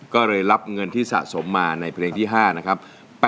ก็เลยรับเงินที่สะสมมาในเพลงที่๕นะครับ